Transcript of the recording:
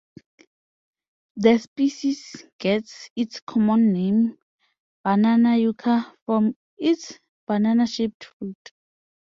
The species gets its common name "banana yucca" from its banana-shaped fruit.